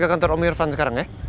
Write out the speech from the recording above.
kita ke kantor om irvan sekarang ya